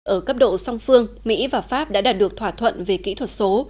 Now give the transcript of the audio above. ở cấp độ song phương mỹ và pháp đã đạt được thỏa thuận về kỹ thuật số